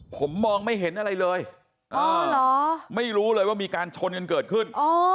ผมมองไม่เห็นอะไรเลยไม่รู้เลยว่ามีการชนกันเกิดขึ้น